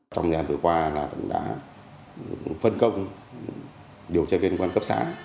trong ngày hôm vừa qua chúng ta đã phân công điều tra viên cấp xã